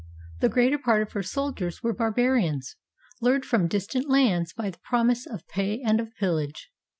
The greater part of her soldiers were barbarians, lured from distant lands by the promise of pay and of pillage.